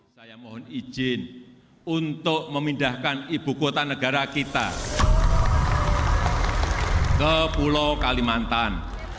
saya mohon izin untuk memindahkan ibu kota negara kita ke pulau kalimantan